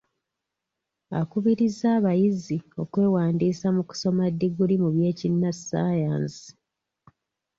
Akubirizza abayizi okwewandiisa mu kusoma ddiguli mu by'ekinnasayansi.